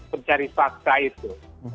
pencari fakta itu